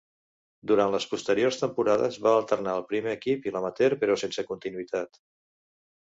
Durant les posteriors temporades va alternar el primer equip i l'amateur, però sense continuïtat.